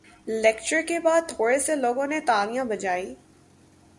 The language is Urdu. لیکچر کے بات تھورے سے لوگوں نے تالیاں بجائی